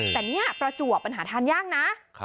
แต่นี่ประจวบมันหาทานยากนะ